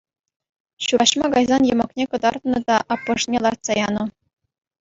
Ҫураҫма кайсан йӑмӑкне кӑтартнӑ та аппӑшне лартса янӑ.